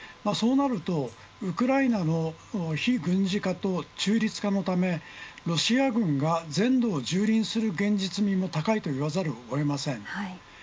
そうなるとウクライナの非軍事化と中立化のためロシア軍が全土をじゅうりんする現実にも高いと言わざるをえません。